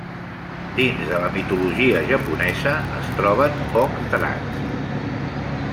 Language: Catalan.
Dins de la mitologia japonesa es troben pocs dracs.